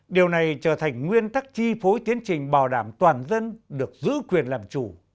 điều này trở thành nguyên tắc chi phối tiến trình bảo đảm toàn dân được giữ quyền làm chủ